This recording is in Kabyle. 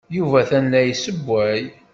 Yuba atan la yessewway.